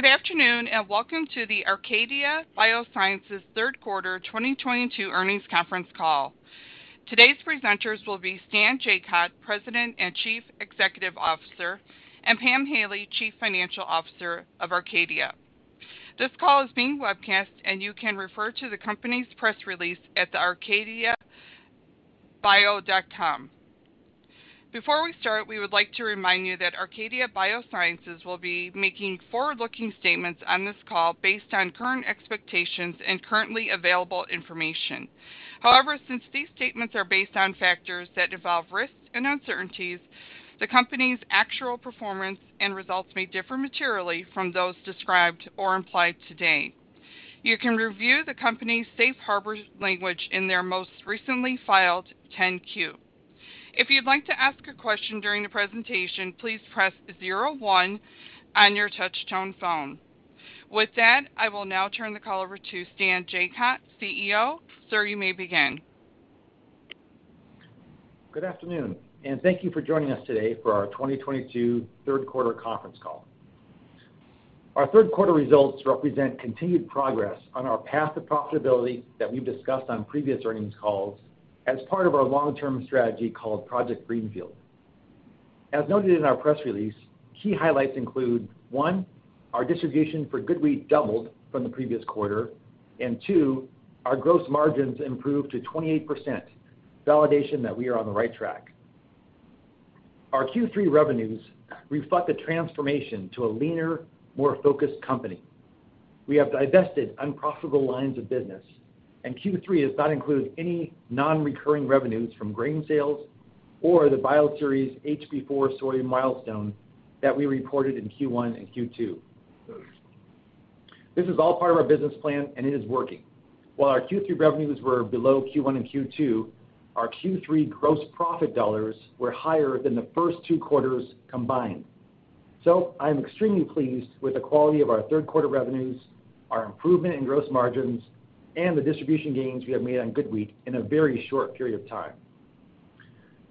Good afternoon, and welcome to the Arcadia Biosciences third quarter 2022 earnings conference call. Today's presenters will be Stan Jacot, President and Chief Executive Officer, and Pam Haley, Chief Financial Officer of Arcadia. This call is being webcast, and you can refer to the company's press release at the arcadiabio.com. Before we start, we would like to remind you that Arcadia Biosciences will be making forward-looking statements on this call based on current expectations and currently available information. However, since these statements are based on factors that involve risks and uncertainties, the company's actual performance and results may differ materially from those described or implied today. You can review the company's safe harbor language in their most recently filed 10-Q. If you'd like to ask a question during the presentation, please press zero one on your touchtone phone. With that, I will now turn the call over to Stan Jacot, CEO. Sir, you may begin. Good afternoon, and thank you for joining us today for our 2022 third quarter conference call. Our third quarter results represent continued progress on our path to profitability that we've discussed on previous earnings calls as part of our long-term strategy called Project Greenfield. As noted in our press release, key highlights include, 1, our distribution for GoodWheat doubled from the previous quarter, and 2, our gross margins improved to 28%, validation that we are on the right track. Our Q3 revenues reflect the transformation to a leaner, more focused company. We have divested unprofitable lines of business, and Q3 has not included any non-recurring revenues from grain sales or the Bioceres HB4 soybean milestone that we reported in Q1 and Q2. This is all part of our business plan, and it is working. While our Q3 revenues were below Q1 and Q2, our Q3 gross profit dollars were higher than the first two quarters combined. I am extremely pleased with the quality of our third quarter revenues, our improvement in gross margins, and the distribution gains we have made on GoodWheat in a very short period of time,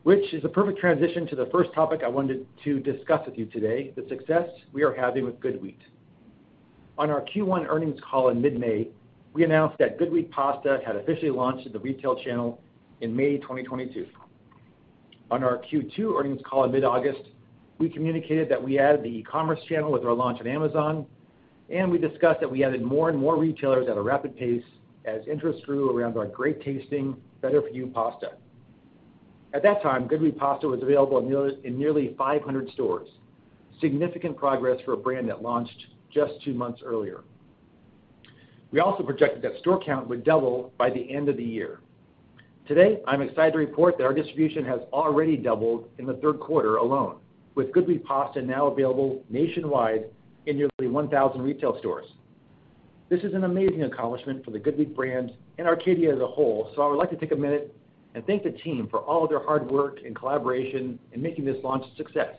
which is a perfect transition to the first topic I wanted to discuss with you today, the success we are having with GoodWheat. On our Q1 earnings call in mid-May, we announced that GoodWheat pasta had officially launched in the retail channel in May 2022. On our Q2 earnings call in mid-August, we communicated that we added the e-commerce channel with our launch on Amazon, and we discussed that we added more and more retailers at a rapid pace as interest grew around our great-tasting, better-for-you pasta. At that time, GoodWheat pasta was available in nearly 500 stores, significant progress for a brand that launched just two months earlier. We also projected that store count would double by the end of the year. Today, I'm excited to report that our distribution has already doubled in the third quarter alone, with GoodWheat pasta now available nationwide in nearly 1,000 retail stores. This is an amazing accomplishment for the GoodWheat brand and Arcadia as a whole, so I would like to take a minute and thank the team for all of their hard work and collaboration in making this launch a success.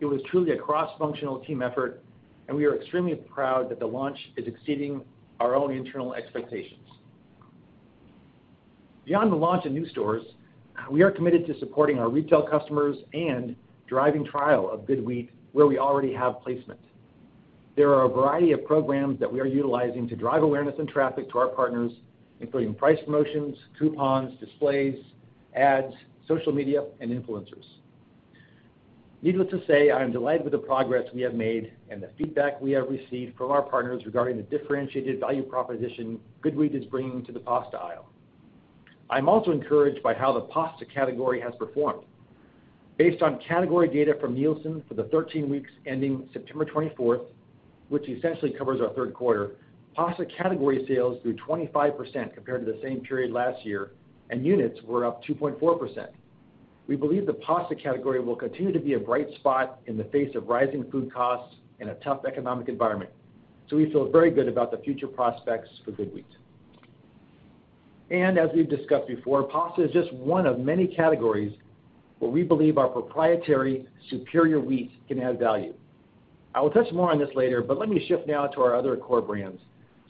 It was truly a cross-functional team effort, and we are extremely proud that the launch is exceeding our own internal expectations. Beyond the launch in new stores, we are committed to supporting our retail customers and driving trial of GoodWheat where we already have placement. There are a variety of programs that we are utilizing to drive awareness and traffic to our partners, including price promotions, coupons, displays, ads, social media, and influencers. Needless to say, I am delighted with the progress we have made and the feedback we have received from our partners regarding the differentiated value proposition GoodWheat is bringing to the pasta aisle. I'm also encouraged by how the pasta category has performed. Based on category data from Nielsen for the 13 weeks ending September 24th, which essentially covers our third quarter, pasta category sales grew 25% compared to the same period last year, and units were up 2.4%. We believe the pasta category will continue to be a bright spot in the face of rising food costs in a tough economic environment, so we feel very good about the future prospects for GoodWheat. As we've discussed before, pasta is just one of many categories where we believe our proprietary superior wheat can add value. I will touch more on this later, but let me shift now to our other core brands,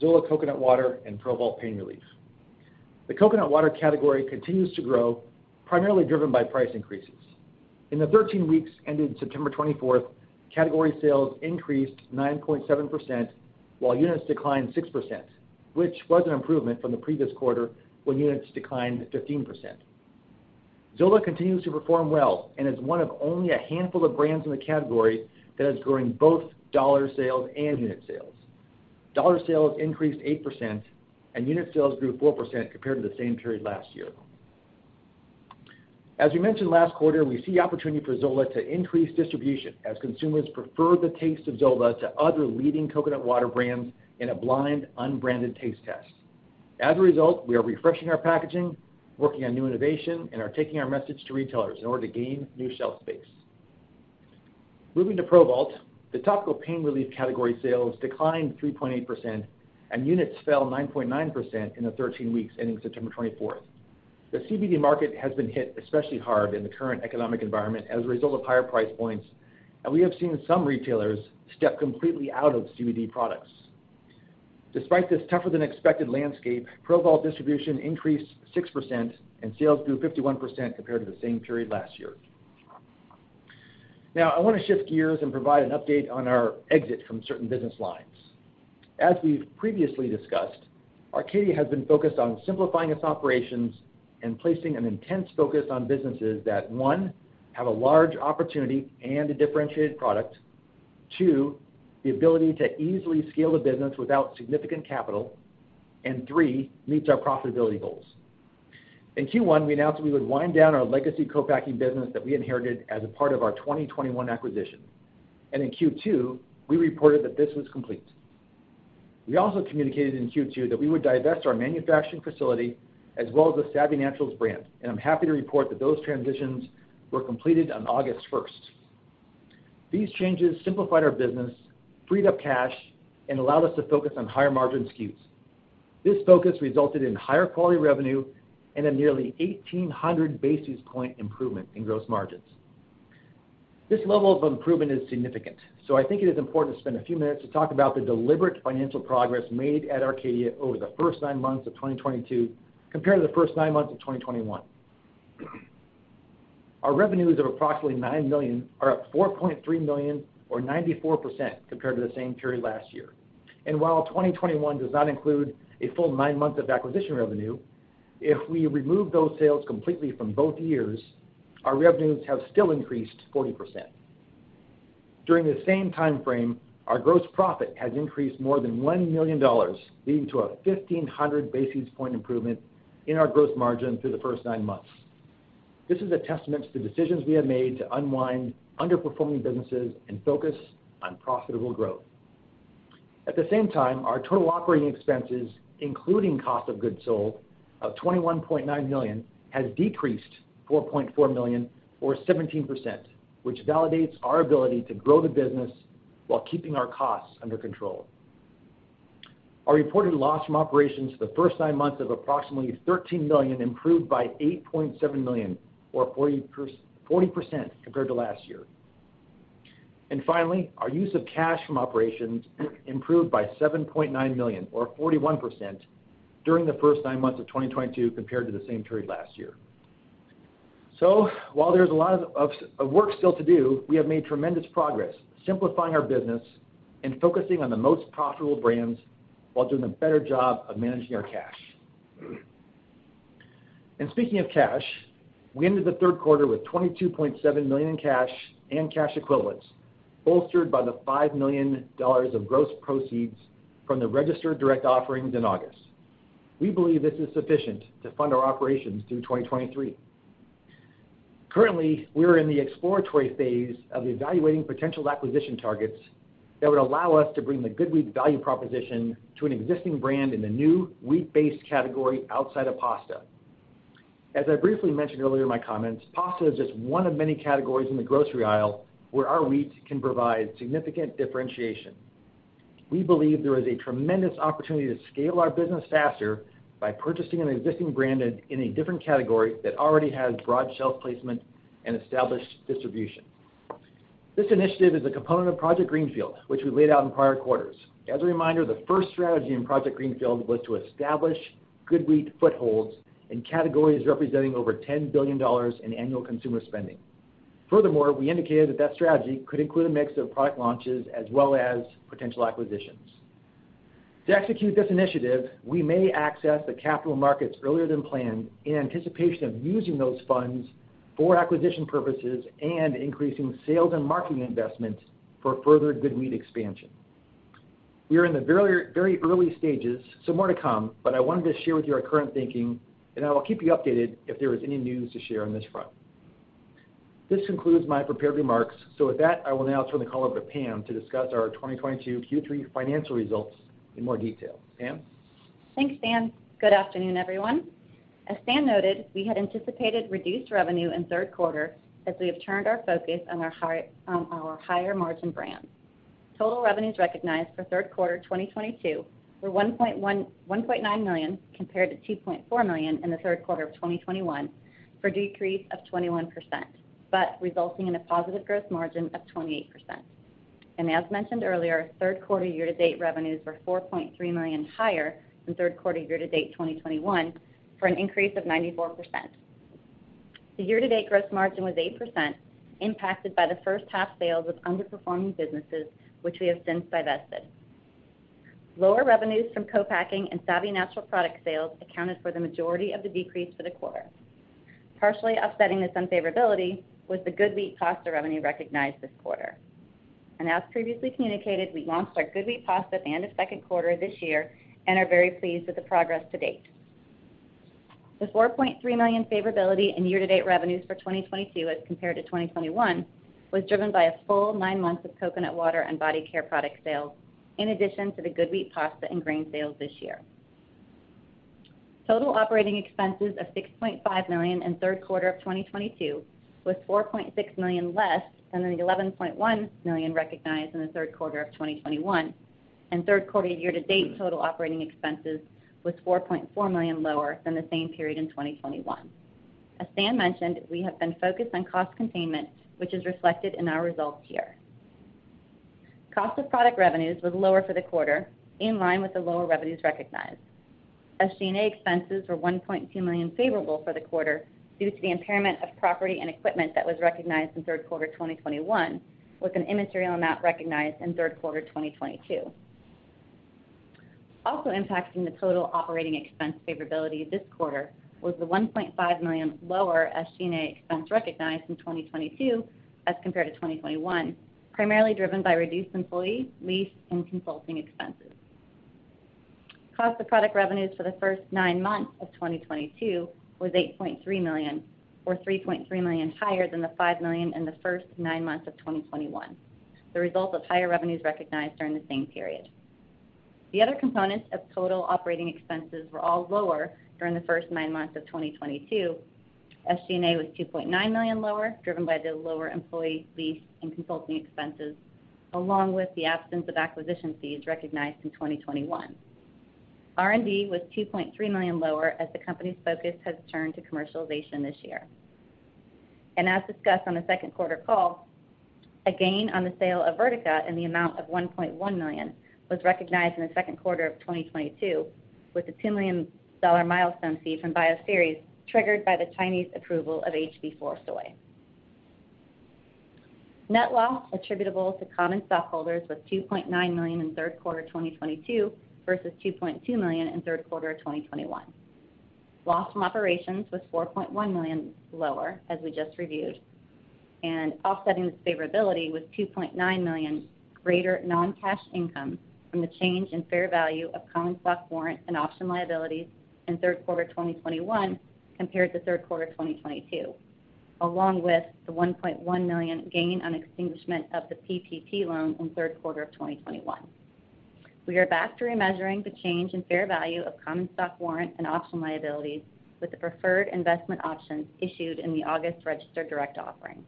Zola coconut water and ProVault Pain Relief. The coconut water category continues to grow, primarily driven by price increases. In the 13 weeks ending September twenty-fourth, category sales increased 9.7%, while units declined 6%, which was an improvement from the previous quarter when units declined 15%. Zola continues to perform well and is one of only a handful of brands in the category that is growing both dollar sales and unit sales. Dollar sales increased 8%, and unit sales grew 4% compared to the same period last year. As we mentioned last quarter, we see opportunity for Zola to increase distribution as consumers prefer the taste of Zola to other leading coconut water brands in a blind, unbranded taste test. As a result, we are refreshing our packaging, working on new innovation, and are taking our message to retailers in order to gain new shelf space. Moving to ProVault, the topical pain relief category sales declined 3.8%, and units fell 9.9% in the 13 weeks ending September 24th. The CBD market has been hit especially hard in the current economic environment as a result of higher price points, and we have seen some retailers step completely out of CBD products. Despite this tougher than expected landscape, ProVault distribution increased 6% and sales grew 51% compared to the same period last year. Now, I want to shift gears and provide an update on our exit from certain business lines. As we've previously discussed, Arcadia has been focused on simplifying its operations and placing an intense focus on businesses that, one, have a large opportunity and a differentiated product. Two, the ability to easily scale the business without significant capital. Three, meets our profitability goals. In Q1, we announced we would wind down our legacy co-packing business that we inherited as a part of our 2021 acquisition. In Q2, we reported that this was complete. We also communicated in Q2 that we would divest our manufacturing facility as well as the Savvy Naturals brand, and I'm happy to report that those transitions were completed on August first. These changes simplified our business, freed up cash, and allowed us to focus on higher margin SKUs. This focus resulted in higher quality revenue and a nearly 1,800 basis points improvement in gross margins. This level of improvement is significant, so I think it is important to spend a few minutes to talk about the deliberate financial progress made at Arcadia over the first nine months of 2022 compared to the first nine months of 2021. Our revenues of approximately $9 million are up $4.3 million or 94% compared to the same period last year. While 2021 does not include a full nine months of acquisition revenue, if we remove those sales completely from both years, our revenues have still increased 40%. During the same time frame, our gross profit has increased more than $1 million, leading to a 1,500 basis points improvement in our gross margin through the first nine months. This is a testament to the decisions we have made to unwind underperforming businesses and focus on profitable growth. At the same time, our total operating expenses, including cost of goods sold of $21.9 million, has decreased $4.4 million or 17%, which validates our ability to grow the business while keeping our costs under control. Our reported loss from operations for the first nine months of approximately $13 million improved by $8.7 million or 40% compared to last year. Finally, our use of cash from operations improved by $7.9 million or 41% during the first nine months of 2022 compared to the same period last year. While there's a lot of work still to do, we have made tremendous progress simplifying our business and focusing on the most profitable brands while doing a better job of managing our cash. Speaking of cash, we ended the third quarter with $22.7 million in cash and cash equivalents, bolstered by the $5 million of gross proceeds from the registered direct offerings in August. We believe this is sufficient to fund our operations through 2023. Currently, we are in the exploratory phase of evaluating potential acquisition targets that would allow us to bring the GoodWheat value proposition to an existing brand in the new wheat-based category outside of pasta. As I briefly mentioned earlier in my comments, pasta is just one of many categories in the grocery aisle where our wheat can provide significant differentiation. We believe there is a tremendous opportunity to scale our business faster by purchasing an existing branded in a different category that already has broad shelf placement and established distribution. This initiative is a component of Project Greenfield, which we laid out in prior quarters. As a reminder, the first strategy in Project Greenfield was to establish GoodWheat footholds in categories representing over $10 billion in annual consumer spending. Furthermore, we indicated that that strategy could include a mix of product launches as well as potential acquisitions. To execute this initiative, we may access the capital markets earlier than planned in anticipation of using those funds for acquisition purposes and increasing sales and marketing investments for further GoodWheat expansion. We are in the very, very early stages, so more to come, but I wanted to share with you our current thinking, and I will keep you updated if there is any news to share on this front. This concludes my prepared remarks. With that, I will now turn the call over to Pam to discuss our 2022 Q3 financial results in more detail. Pam? Thanks, Stan. Good afternoon, everyone. As Stan noted, we had anticipated reduced revenue in third quarter as we have turned our focus on our higher margin brands. Total revenues recognized for third quarter 2022 were $1.9 million compared to $2.4 million in the third quarter of 2021 for a decrease of 21%, but resulting in a positive growth margin of 28%. As mentioned earlier, third quarter year-to-date revenues were $4.3 million higher than third quarter year-to-date 2021 for an increase of 94%. The year-to-date growth margin was 8%, impacted by the first half sales of underperforming businesses, which we have since divested. Lower revenues from co-packing and Savvy Naturals product sales accounted for the majority of the decrease for the quarter. Partially offsetting this unfavorability was the GoodWheat pasta revenue recognized this quarter. As previously communicated, we launched our GoodWheat pasta at the end of second quarter this year and are very pleased with the progress to date. The $4.3 million favorability in year-to-date revenues for 2022 as compared to 2021 was driven by a full nine months of coconut water and body care product sales, in addition to the GoodWheat pasta and grain sales this year. Total operating expenses of $6.5 million in third quarter of 2022 was $4.6 million less than the $11.1 million recognized in the third quarter of 2021, and third quarter year-to-date total operating expenses was $4.4 million lower than the same period in 2021. As Stan mentioned, we have been focused on cost containment, which is reflected in our results here. Cost of product revenues was lower for the quarter, in line with the lower revenues recognized. SG&A expenses were $1.2 million favorable for the quarter due to the impairment of property and equipment that was recognized in third quarter 2021, with an immaterial amount recognized in third quarter 2022. Also impacting the total operating expense favorability this quarter was the $1.5 million lower SG&A expense recognized in 2022 as compared to 2021, primarily driven by reduced employee, lease, and consulting expenses. Cost of product revenues for the first nine months of 2022 was $8.3 million, or $3.3 million higher than the $5 million in the first nine months of 2021, the result of higher revenues recognized during the same period. The other components of total operating expenses were all lower during the first nine months of 2022. SG&A was $2.9 million lower, driven by the lower employee, lease, and consulting expenses, along with the absence of acquisition fees recognized in 2021. R&D was $2.3 million lower as the company's focus has turned to commercialization this year. As discussed on the second quarter call, a gain on the sale of Verdeca in the amount of $1.1 million was recognized in the second quarter of 2022, with a $2 million milestone fee from Bioceres triggered by the Chinese approval of HB4 soy. Net loss attributable to common stockholders was $2.9 million in third quarter 2022 versus $2.2 million in third quarter of 2021. Loss from operations was $4.1 million lower, as we just reviewed, and offsetting this favorability was $2.9 million greater non-cash income from the change in fair value of common stock warrant and option liabilities in third quarter 2021 compared to third quarter 2022, along with the $1.1 million gain on extinguishment of the PPP loan in third quarter of 2021. We are back to remeasuring the change in fair value of common stock warrant and option liabilities with the preferred investment options issued in the August registered direct offering.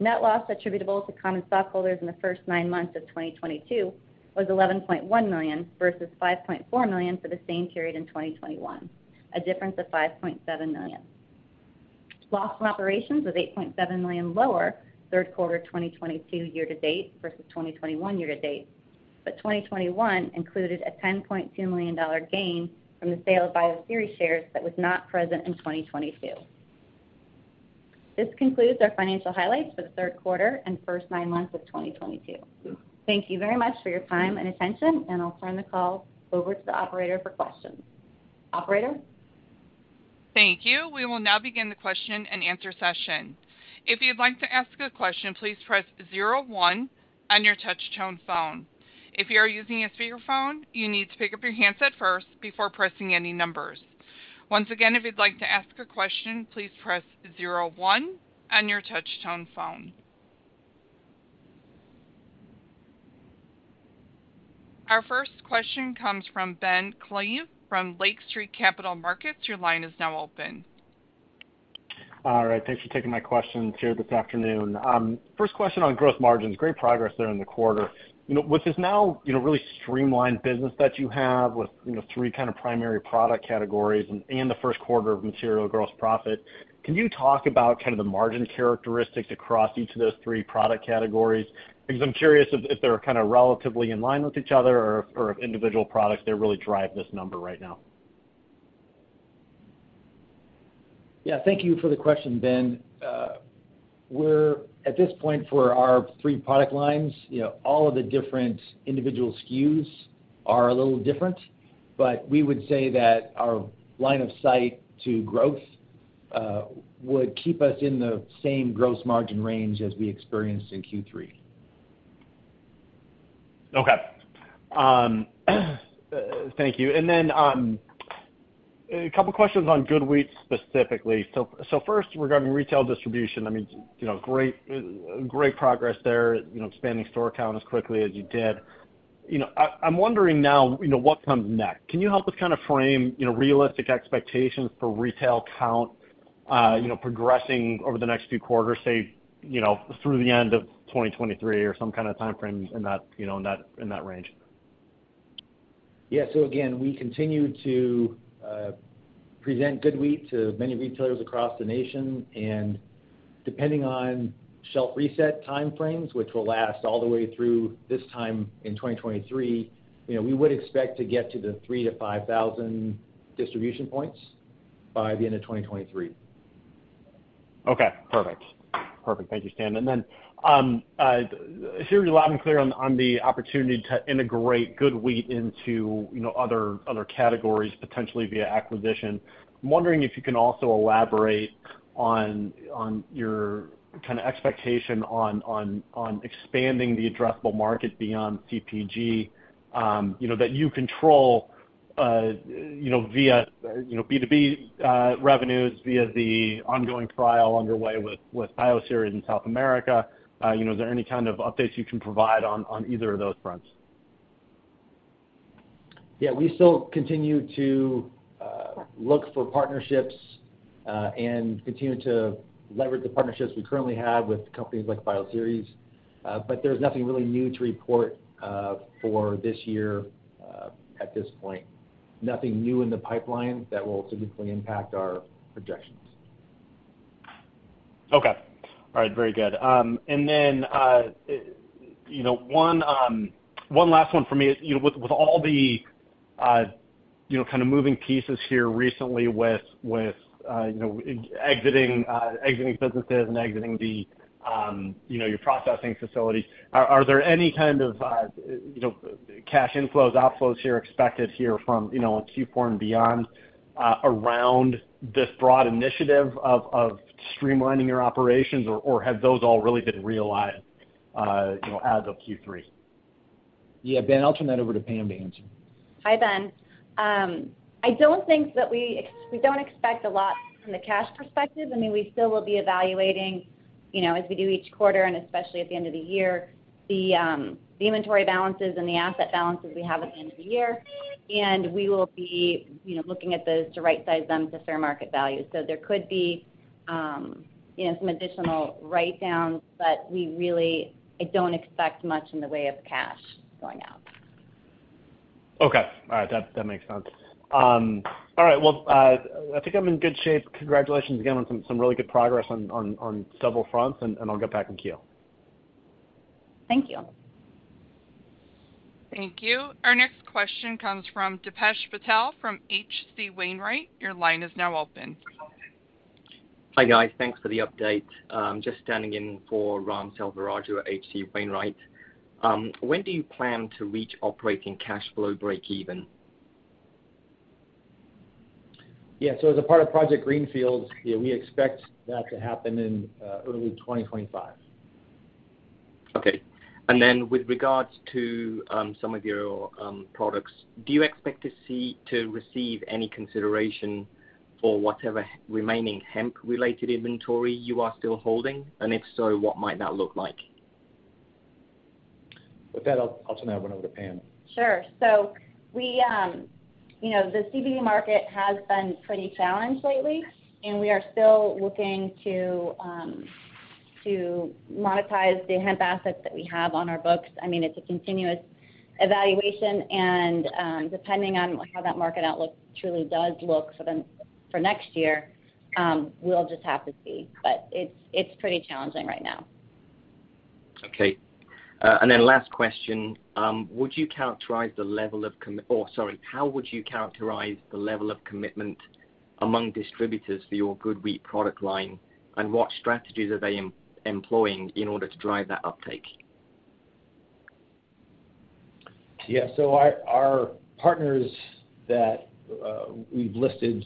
Net loss attributable to common stockholders in the first nine months of 2022 was $11.1 million versus $5.4 million for the same period in 2021, a difference of $5.7 million. Loss from operations was $8.7 million lower third quarter 2022 year-to-date versus 2021 year-to-date, but 2021 included a $10.2 million gain from the sale of Bioceres shares that was not present in 2022. This concludes our financial highlights for the third quarter and first nine months of 2022. Thank you very much for your time and attention, and I'll turn the call over to the operator for questions. Operator? Thank you. We will now begin the question and answer session. If you'd like to ask a question, please press zero one on your touch-tone phone. If you are using a speakerphone, you need to pick up your handset first before pressing any numbers. Once again, if you'd like to ask a question, please press zero one on your touch-tone phone. Our first question comes from Ben Klieve from Lake Street Capital Markets. Your line is now open. All right. Thanks for taking my questions here this afternoon. First question on growth margins. Great progress there in the quarter. You know, with this now, you know, really streamlined business that you have with, you know, three kind of primary product categories and the first quarter of material gross profit, can you talk about kind of the margin characteristics across each of those three product categories? Because I'm curious if they're kind of relatively in line with each other or if individual products that really drive this number right now. Thank you for the question, Ben. We're at this point for our three product lines, you know, all of the different individual SKUs are a little different. We would say that our line of sight to growth would keep us in the same gross margin range as we experienced in Q3. Okay. Thank you. A couple questions on GoodWheat specifically. First, regarding retail distribution, I mean, you know, great progress there, you know, expanding store count as quickly as you did. You know, I'm wondering now, you know, what comes next. Can you help us kind of frame realistic expectations for retail count progressing over the next few quarters, say through the end of 2023 or some kind of timeframe in that range? Again, we continue to present GoodWheat to many retailers across the nation. Depending on shelf reset timeframes, which will last all the way through this time in 2023, you know, we would expect to get to the 3,000-5,000 distribution points by the end of 2023. Okay. Perfect. Thank you, Stan. You're loud and clear on the opportunity to integrate GoodWheat into, you know, other categories, potentially via acquisition. I'm wondering if you can also elaborate on your kind of expectation on expanding the addressable market beyond CPG, you know, that you control, you know, via, you know, B2B revenues via the ongoing trial underway with Bioceres in South America. You know, is there any kind of updates you can provide on either of those fronts? Yeah. We still continue to look for partnerships and continue to leverage the partnerships we currently have with companies like Bioceres. There's nothing really new to report for this year. At this point, nothing new in the pipeline that will significantly impact our projections. Okay. All right. Very good. You know, one last one for me. You know, with all the, you know, kind of moving pieces here recently with, you know, exiting businesses and exiting the, you know, your processing facilities, are there any kind of, you know, cash inflows, outflows here expected here from, you know, in Q4 and beyond, around this broad initiative of streamlining your operations, or have those all really been realized, you know, as of Q3? Yeah, Ben, I'll turn that over to Pam to answer. Hi, Ben. I don't think that we don't expect a lot from the cash perspective. I mean, we still will be evaluating, you know, as we do each quarter, and especially at the end of the year, the inventory balances and the asset balances we have at the end of the year. We will be, you know, looking at those to right-size them to fair market value. There could be, you know, some additional write-downs, but we really don't expect much in the way of cash going out. Okay. All right. That makes sense. All right, well, I think I'm in good shape. Congratulations again on some really good progress on several fronts, and I'll get back in queue. Thank you. Thank you. Our next question comes from Deepesh Patel from H.C. Wainwright. Your line is now open. Hi, guys. Thanks for the update. Just standing in for Ram Selvaraju at H.C. Wainwright & Co. When do you plan to reach operating cash flow breakeven? As a part of Project Greenfield, we expect that to happen in early 2025. Okay. With regards to some of your products, do you expect to receive any consideration for whatever remaining hemp-related inventory you are still holding? And if so, what might that look like? With that, I'll turn that one over to Pam. Sure. We, you know, the CBD market has been pretty challenged lately, and we are still looking to to monetize the hemp assets that we have on our books. I mean, it's a continuous evaluation and, depending on how that market outlook truly does look for next year, we'll just have to see. But it's pretty challenging right now. Okay. Last question. How would you characterize the level of commitment among distributors for your GoodWheat product line, and what strategies are they employing in order to drive that uptake? Yeah. Our partners that we've listed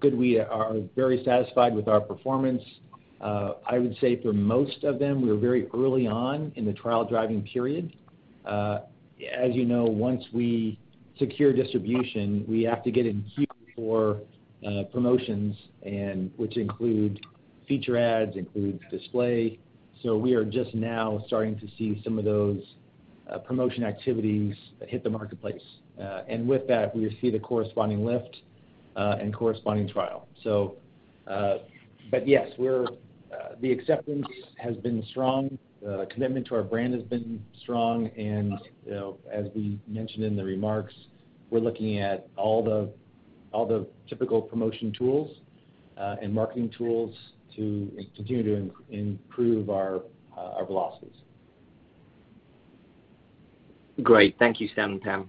GoodWheat are very satisfied with our performance. I would say for most of them, we are very early on in the trial-driving period. As you know, once we secure distribution, we have to get in queue for promotions and which include feature ads, include display. We are just now starting to see some of those promotion activities hit the marketplace. And with that, we see the corresponding lift and corresponding trial. But yes, the acceptance has been strong. Commitment to our brand has been strong and, you know, as we mentioned in the remarks, we're looking at all the typical promotion tools and marketing tools to continue to improve our velocities. Great. Thank you, Stan and Pam.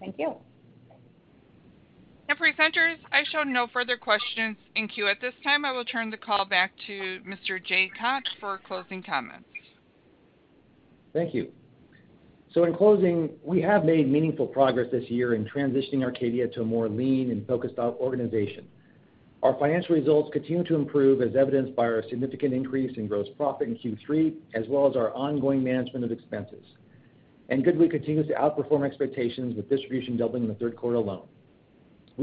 Thank you. Presenters, I show no further questions in queue at this time. I will turn the call back to Mr. Stan Jacot for closing comments. Thank you. So in closing, we have made meaningful progress this year in transitioning Arcadia to a more lean and focused organization. Our financial results continue to improve as evidenced by our significant increase in gross profit in Q3, as well as our ongoing management of expenses. GoodWheat continues to outperform expectations with distribution doubling in the third quarter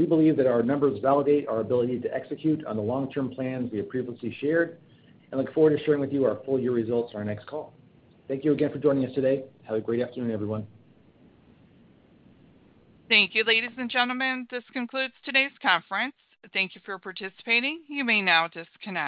alone. We believe that our numbers validate our ability to execute on the long-term plans we have previously shared and look forward to sharing with you our full year results on our next call. Thank you again for joining us today. Have a great afternoon, everyone. Thank you, ladies and gentlemen. This concludes today's conference. Thank you for participating. You may now disconnect.